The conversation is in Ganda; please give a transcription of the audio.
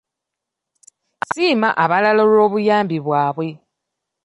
Siima abalala olw'obuyambi bwabwe.